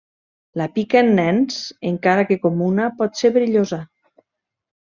La pica en nens, encara que comuna, pot ser perillosa.